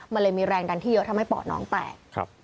มันเลยมีแรงดันที่เยอะทำให้ปอดน้องแตก